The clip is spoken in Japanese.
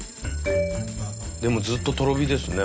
でもずっととろ火ですね。